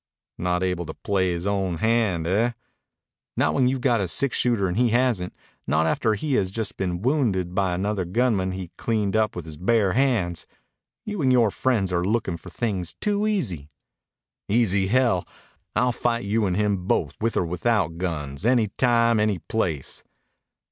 "Not able to play his own hand, eh?" "Not when you've got a six shooter and he hasn't. Not after he has just been wounded by another gunman he cleaned up with his bare hands. You and yore friends are lookin' for things too easy." "Easy, hell! I'll fight you and him both, with or without guns. Any time. Any place."